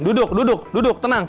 duduk duduk tenang